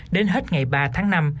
đến hết ngày ba tháng năm